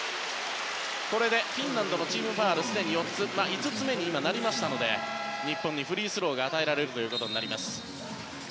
これでフィンランドのチームファウルが５つ目になりましたので日本にフリースローが与えられます。